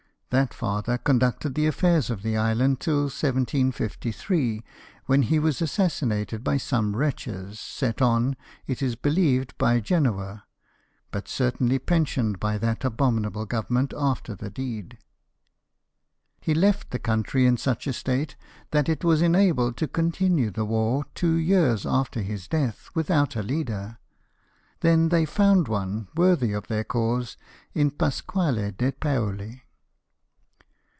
That father conducted the affairs of the island till 1753, when he was assassinated by some wretches, set on, it is behoved, by Genoa, but certainly pensioned by that abomin able Government after the deed. He left the country in such a state that it was enabled to continue the war two years after his death without a leader, then they found one worthy of their cause in Pasquale de Paoli.